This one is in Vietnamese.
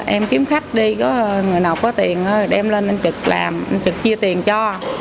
em kiếm khách đi có người nào có tiền em lên anh trực làm anh trực chia tiền cho